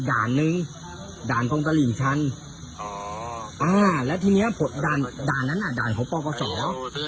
สองหมื่นห้าสองหมื่นนึงหมื่นนึงยังไม่ยอมเลยพี่